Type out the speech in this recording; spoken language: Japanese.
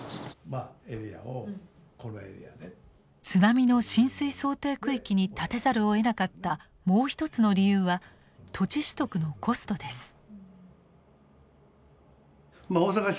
津波の浸水想定区域に建てざるをえなかったもう一つの理由は土地取得のコストです。